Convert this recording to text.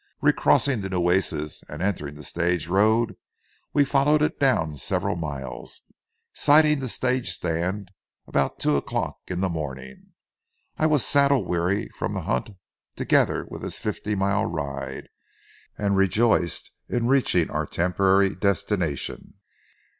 Recrossing the Nueces and entering the stage road, we followed it down several miles, sighting the stage stand about two o'clock in the morning. I was saddle weary from the hunt, together with this fifty mile ride, and rejoiced in reaching our temporary destination.